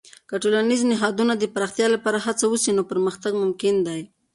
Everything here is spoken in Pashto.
که د ټولنیزو نهادونو د پراختیا لپاره هڅه وسي، نو پرمختګ ممکن دی.